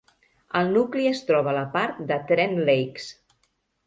El nucli es troba a la part de Trent Lakes.